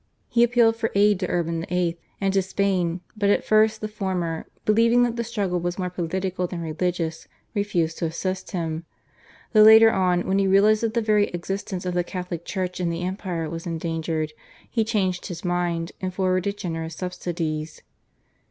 He appealed for aid to Urban VIII. and to Spain but at first the former, believing that the struggle was more political than religious, refused to assist him, though later on, when he realised that the very existence of the Catholic Church in the empire was endangered, he changed his mind and forwarded generous subsidies.